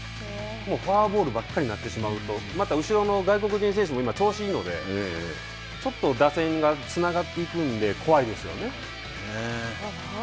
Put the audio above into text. もうフォアボールばかりになってしまうとまた、後ろの外国人選手も今、調子いいのでちょっと打線がつながっていくので怖いですよね。